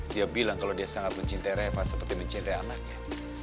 dia bilang kalau dia sangat mencintai reva seperti mencintai anaknya